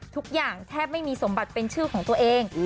ทุกอย่างแทบไม่มีสมบัติเป็นชื่อของตัวเอง